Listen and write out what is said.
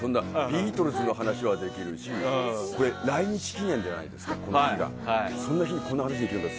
ビートルズの話ができるし来日記念じゃないですかこの日が。